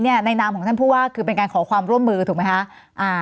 ในนำคุณพูดว่าคือเป็นการขอความร่วมมือถูกมั้ยฮะ